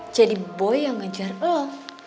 jadi boy yang ngejar lo